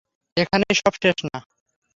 এখানেই সব শেষ না।